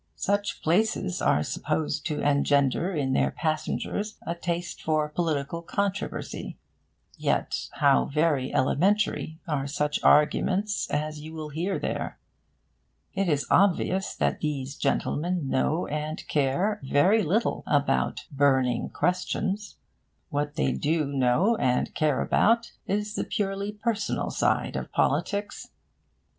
Such places are supposed to engender in their passengers a taste for political controversy. Yet how very elementary are such arguments as you will hear there! It is obvious that these gentlemen know and care very little about 'burning questions.' What they do know and care about is the purely personal side of politics.